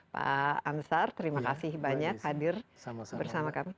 pak ansar terima kasih banyak hadir bersama kami